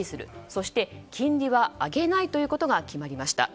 そして金利は上げないということが決まりました。